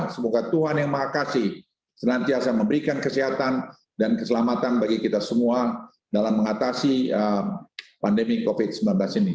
semoga tuhan yang mahakasi senantiasa memberikan kesehatan dan keselamatan bagi kita semua dalam mengatasi pandemi covid sembilan belas ini